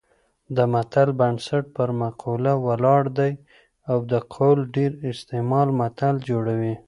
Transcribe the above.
د متل بنسټ پر مقوله ولاړ دی او د قول ډېر استعمال متل جوړوي